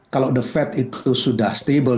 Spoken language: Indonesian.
kalau the fed itu sudah stable